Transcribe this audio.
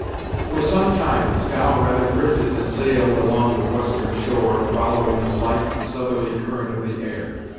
For some time the scow rather drifted than sailed along the western shore, following a light southerly current of the air.